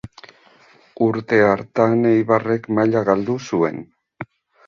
Urte hartan Eibarrek maila galdu zuen.